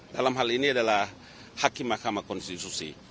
dalam hal ini adalah hakim mahkamah konstitusi